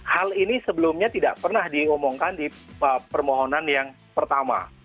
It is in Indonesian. hal ini sebelumnya tidak pernah diomongkan di permohonan yang pertama